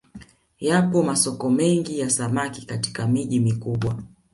Yapo masoko mengi ya samaki katika miji mikubwa